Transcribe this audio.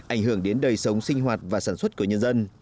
ảnh hưởng đến đời sống sinh hoạt và sản xuất của nhân dân